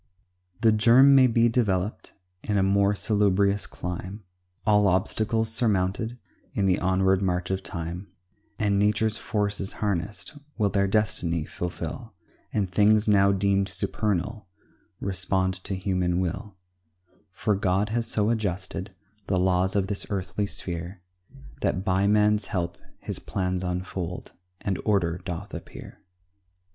The germ may be developed In a more salubrious clime, All obstacles surmounted In the onward march of time, And nature's forces harnessed Will their destiny fulfil, And things now deemed supernal Respond to human will; For God has so adjusted The laws of this earthly sphere, That by man's help his plans unfold, And order doth appear.